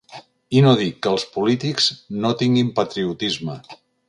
I no dic que els polítics no tinguin patriotisme.